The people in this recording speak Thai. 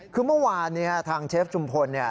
คือเมื่อวานทางเชฟชุมพลเนี่ย